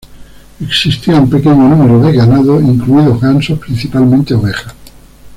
Existía un pequeño número de ganado, incluidos gansos, principalmente ovejas.